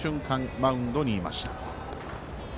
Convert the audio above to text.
マウンドにいました。